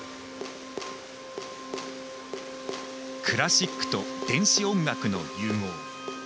クラシックと電子音楽の融合。